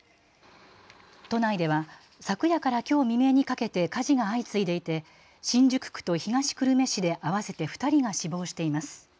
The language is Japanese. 都内では昨夜からきょう未明にかけて火事が相次いでいて新宿区と東久留米市で合わせて２人が死亡しています。